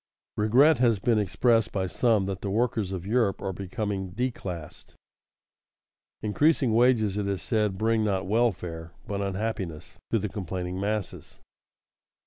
Regret has been expressed by some that the workers of Europe are becoming "declassed." Increasing wages, it is said, bring not welfare, but unhappiness, to the complaining masses.